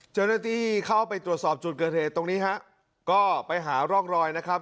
เจ้าหน้าที่เข้าไปตรวจสอบจุดเกิดเหตุตรงนี้ฮะก็ไปหาร่องรอยนะครับ